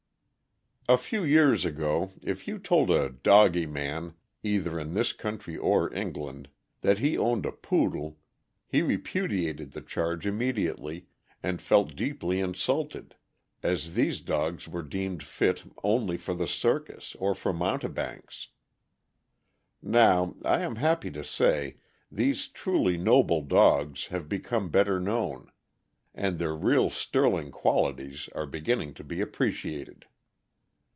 FEW years ago, if you told a "doggy man, " either in this country or England, that he owned a Poodle he repudiated the charge immediately, and felt deeply insulted, as these dogs were deemed fit only for the circus or for mountebanks. Now, I am happy to say, these truly noble dogs have become better known, and their real sterling qualities are beginning to be appreciated.